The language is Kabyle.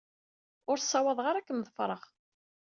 Ur ssawḍeɣ ara ad kem-ḍefreɣ.